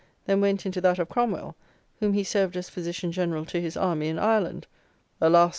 then went into that of Cromwell, whom he served as physician general to his army in Ireland (alas!